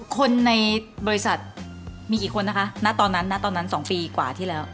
คนในบริษัทมีกี่คนนะคะณตอนนั้น๒ปีกว่าที่แล้ว